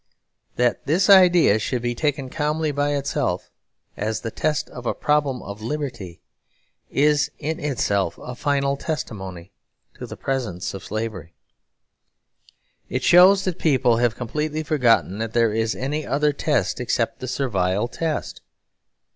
That this idea should be taken calmly, by itself, as the test of a problem of liberty, is in itself a final testimony to the presence of slavery. It shows that people have completely forgotten that there is any other test except the servile test.